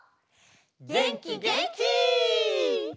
げんきげんき！